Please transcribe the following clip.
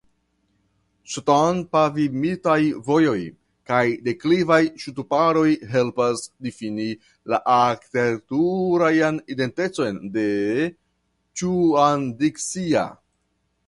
Ŝtonpavimitaj vojoj kaj deklivaj ŝtuparoj helpas difini la arkitekturan identecon de Ĉuandiksia.